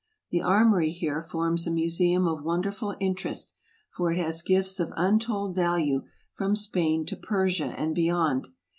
The armory here forms a museum of wonderful interest, for it has gifts of untold value from Spain to Persia and beyond.